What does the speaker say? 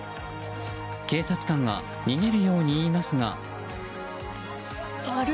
警察官が逃げるように言いますが。